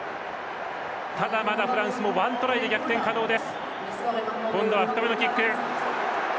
ただ、まだフランスも１トライで逆転可能です。